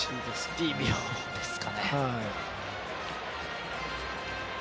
微妙ですかね。